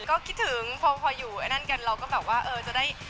ก็คิดถึงพออยู่ไอ้นั่นกันเราก็แบบว่าเออจะได้